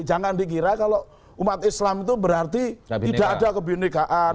jangan dikira kalau umat islam itu berarti tidak ada kebinekaan